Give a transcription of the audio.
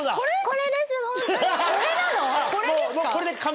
これですか？